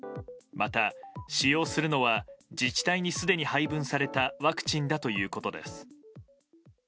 また、使用するのは自治体にすでに配分されたワクチンだということです。